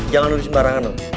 jangan nuduh sembarangan om